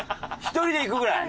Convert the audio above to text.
１人で行くぐらい？